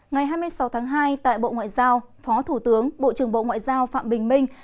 ngày hai mươi sáu tháng hai tại bộ ngoại giao phó thủ tướng bộ trưởng bộ ngoại giao phạm bình minh